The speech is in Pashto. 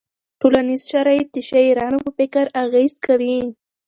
ټولنیز شرایط د شاعرانو په فکر اغېز کوي.